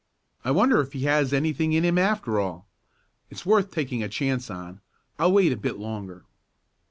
I wonder if he has anything in him after all? It's worth taking a chance on. I'll wait a bit longer."